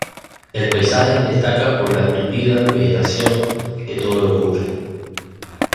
El paisaje destaca por la tupida vegetación que todo lo cubre.